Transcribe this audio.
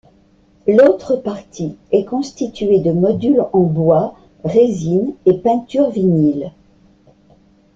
L'autre partie est constituée de modules en bois, résine et peinture vinyl.